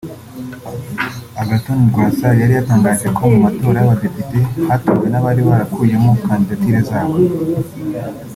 Agathon Rwasa yari yatangaje ko mu matora y’Abadepite hatowe n’abari barakuyemo kandidatire zabo